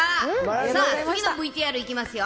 じゃあ、次のＶＴＲいきますよ。